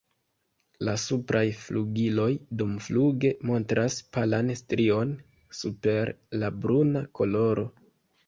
La supraj flugiloj dumfluge montras palan strion super la bruna koloro.